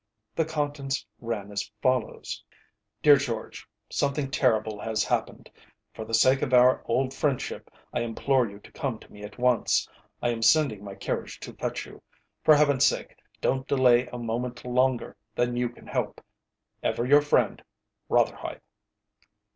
The contents ran as follows: DEAR GEORGE, Something terrible has happened. For the sake of our old friendship I implore you to come to me at once. I am sending my carriage to fetch you. For Heaven's sake don't delay a moment longer than you can help. Ever your friend, ROTHERHITHE.